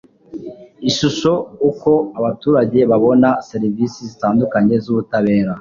Ishusho Uko abaturage babona serivisi zitandukanye z ubutabera